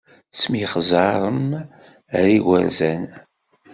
Ttemyexzaren ar igerzan.